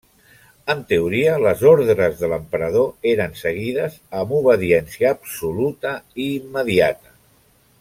En teoria, les ordres de l'Emperador eren seguides amb obediència absoluta i immediata.